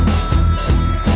masih lu nunggu